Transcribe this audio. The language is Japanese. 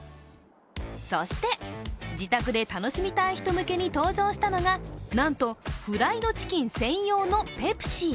そして、自宅で楽しみたい人向けに登場したのが、なんとフライドチキン専用のペプシ。